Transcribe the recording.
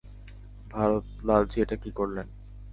ভারত লালজি, এটা কী করলেন?